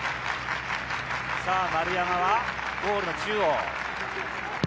丸山はゴールの中央。